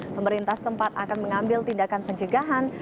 pemerintah setempat akan mengambil tindakan pencegahan